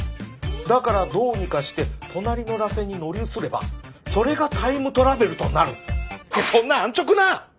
だからどうにかして隣の螺旋に乗り移ればそれがタイムトラベルとなる」。ってそんな安直な！